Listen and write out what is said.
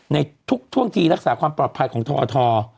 ในทุกท่วงทีรักษาความปลอดภัยของทอท